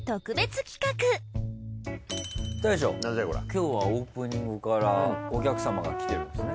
今日はオープニングからお客様が来てるんですね。